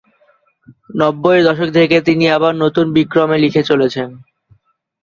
নব্বইয়ের দশক থেকে তিনি আবার নতুন বিক্রমে লিখে চলেছেন।